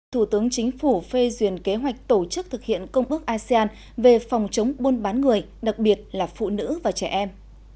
thủ tướng chính phủ phê duyền kế hoạch tổ chức thực hiện công ước asean về phòng chống buôn bán người đặc biệt là phụ nữ và trẻ em